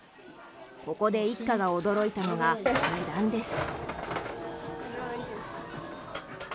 ここで一家が驚いたのが値段です。